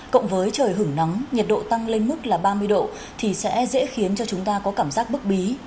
cộng với trời hứng nắng nhiệt độ tăng lên mức là ba mươi độ thì sẽ dễ khiến cho chúng ta có cảm giác bức bí